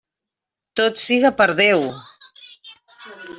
Tot siga per Déu!